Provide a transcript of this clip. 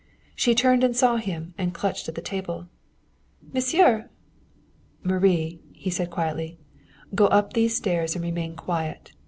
She turned and saw him, and clutched at the table. "Monsieur!" "Marie," he said quietly, "go up these stairs and remain quiet.